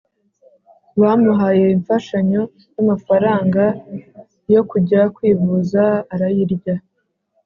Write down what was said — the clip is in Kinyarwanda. bamuhaye ifashanyo yamafaranga yo kujya kwivuza arayirya